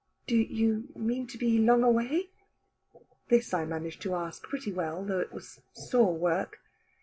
"Do you mean to be long away?" This I managed to ask pretty well, though it was sore work.